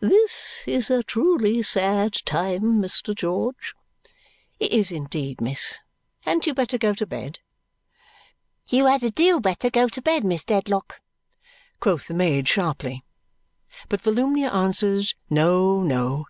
"This is a truly sad time, Mr. George." "It is indeed, miss. Hadn't you better go to bed?" "You had a deal better go to bed, Miss Dedlock," quoth the maid sharply. But Volumnia answers No! No!